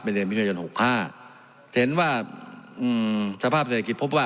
เดือนมิถุนายน๖๕เห็นว่าอืมสภาพเศรษฐกิจพบว่า